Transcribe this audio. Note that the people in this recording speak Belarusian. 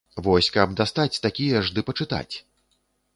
Вось каб дастаць такія ж ды пачытаць.